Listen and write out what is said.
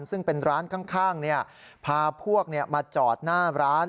ซึ่งเป็นร้านข้างพาพวกมาจอดหน้าร้าน